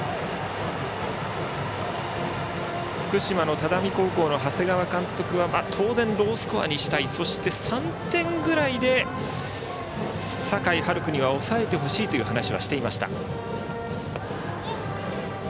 福島の只見高校の長谷川監督は当然、ロースコアにしたいそして、３点ぐらいで酒井悠来には抑えてほしいという話はしていました。